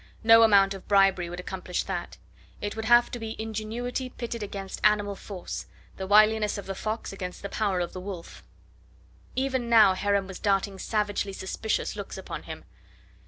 No amount of bribery would accomplish that; it would have to be ingenuity pitted against animal force, the wiliness of the fox against the power of the wolf. Even now Heron was darting savagely suspicious looks upon him.